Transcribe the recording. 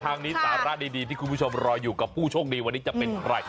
ทางนี้สาระดีที่คุณผู้ชมรออยู่กับผู้โชคดีวันนี้จะเป็นใคร